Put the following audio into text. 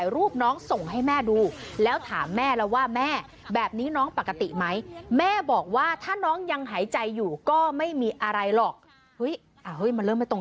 จริงจริงจริงจริงจริงจริงจริงจริงจริงจริงจริงจริงจริงจริงจริงจริง